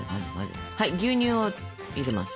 はい牛乳を入れます。